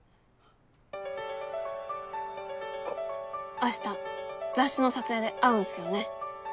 明日雑誌の撮影で会うんすよね？